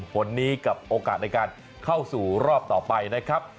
ผลนี้กับโอกาสในการเข้าสู่รอบต่อไปนะครับ